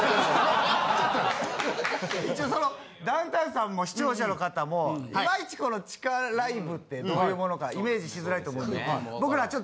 一応ダウンタウンさんも視聴者の方もいまいちこの地下ライブってどういうものかイメージしづらいと思うので僕ら